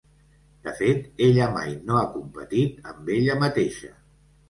De fet, ella mai no ha competit amb ella mateixa.